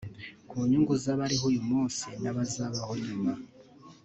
ku nyungu z’abariho uyu munsi n’abazabaho nyuma